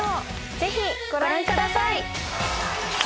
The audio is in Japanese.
ぜひご覧ください。